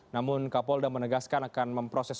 namun kapolda menegaskan akan memproses